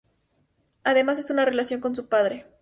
Además es una relación con su padre.